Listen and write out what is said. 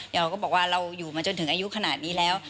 เราก็บอกว่าเราอยู่มาจนถึงอายุขนาดนี้แล้ว